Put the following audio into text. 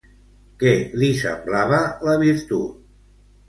Què li semblava la virtut?